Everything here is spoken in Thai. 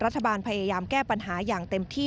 รัฐบาลพยายามแก้ปัญหาอย่างเต็มที่